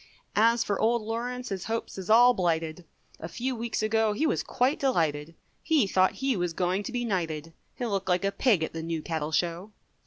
As for Old Lawrence his hopes is all blighted. A few weeks ago he was quite delighted, He thought he was going to be knighted, He'll look like a pig at the New Cattle Show.